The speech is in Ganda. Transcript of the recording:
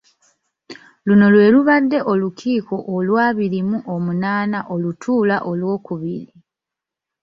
Luno lwe lubadde olukiiko olw'abiri mu omunaana olutuula olw'okubiri.